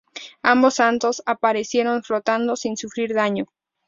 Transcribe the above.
Ambos santos aparecieron flotando sin sufrir daño.